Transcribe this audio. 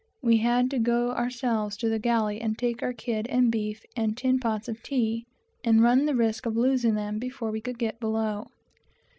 We had to go ourselves to the galley and take our kid of beef and tin pots of tea, and run the risk of losing them before we could get below.